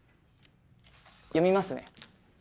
読みますね。